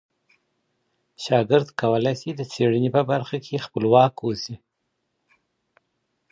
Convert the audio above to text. شاګرد کولای سي د څېړني په برخه کي خپلواک اوسي.